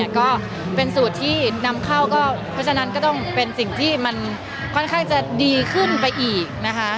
ก็เป็นสูตรที่นำเข้าก็เพราะฉะนั้นก็ต้องเป็นสิ่งที่มันค่อนข้างจะดีขึ้นไปอีกนะคะ